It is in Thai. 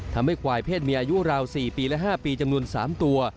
ทำให้ควายเพศมีอายุราว๔ปีและ๕ปีจำนวน๓ตัว